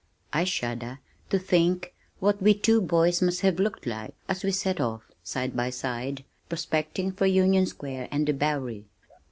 I shudder to think what we two boys must have looked like as we set off, side by side, prospecting for Union Square and the Bowery.